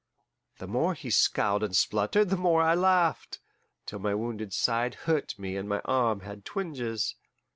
The more he scowled and spluttered, the more I laughed, till my wounded side hurt me and my arm had twinges.